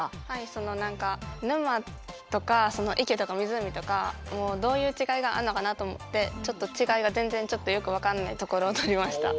その何か沼とか池とか湖とかもうどういう違いがあんのかなと思ってちょっと違いが全然ちょっとよく分かんないところを撮りました。